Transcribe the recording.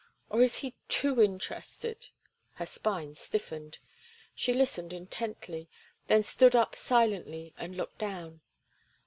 Or is he too interested—" Her spine stiffened. She listened intently, then stood up silently and looked down.